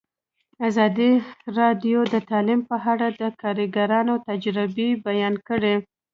ازادي راډیو د تعلیم په اړه د کارګرانو تجربې بیان کړي.